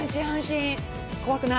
怖くない。